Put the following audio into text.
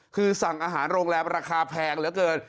คือสั่งอาหารโรงแรมราคาแพงเหลือเกิน